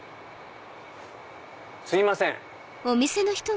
すいません。